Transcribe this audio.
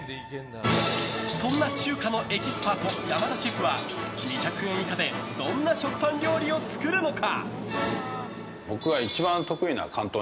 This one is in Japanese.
そんな中華のエキスパート山田シェフは２００円以下でどんな食パン料理を作るのか。